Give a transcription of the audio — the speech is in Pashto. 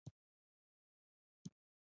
ژبدود ليکدود ګړدود اندود